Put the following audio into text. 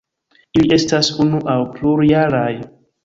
Ili estas unu aŭ plurjaraj.